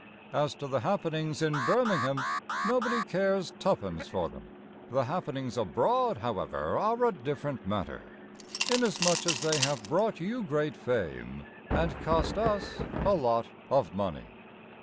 As to the happenings in Birmingham, Nobody cares tuppence for them. The happenings abroad, however, are a different matter, Inasmuch as they have brought you great fame, And cost us a lot of money.